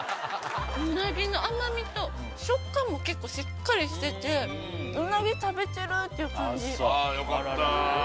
うなぎの甘みと食感も結構しっかりしててうなぎ食べてるっていう感じああよかった